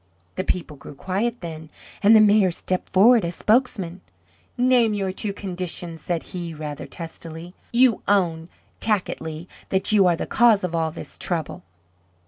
The people grew quiet then, and the Mayor stepped forward as spokesman, "Name your two conditions," said he rather testily. "You own, tacitly, that you are the cause of all this trouble."